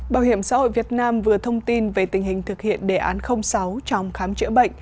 bảo hiểm xã hội việt nam vừa thông tin về tình hình thực hiện đề án sáu trong khám chữa bệnh